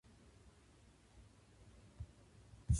芸術作品のもつたいそう奥深くすぐれた趣のこと。